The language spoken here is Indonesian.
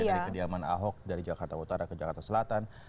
dari kediaman ahok dari jakarta utara ke jakarta selatan